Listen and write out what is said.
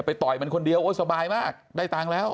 ต่อยมันคนเดียวโอ้สบายมากได้ตังค์แล้ว